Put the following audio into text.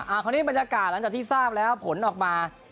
อันนี้บรรยากาศหลังจากที่ทราบแล้วผลออกมา